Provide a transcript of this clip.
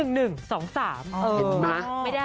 เห็นมั้ย